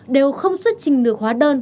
đều không xuất trình được hóa đơn